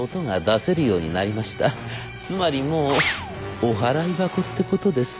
つまりもうお払い箱ってことです」。